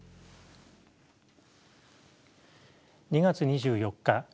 ２月２４日